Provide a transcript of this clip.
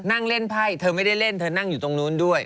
นั่งเล่นไพ่เธอไม่ได้เล่นเธอนั่งอยู่ตรงนู้นด้วย